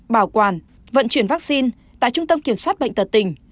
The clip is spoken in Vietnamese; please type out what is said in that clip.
bảo quản vận chuyển vaccine tại trung tâm kiểm soát bệnh tật tỉnh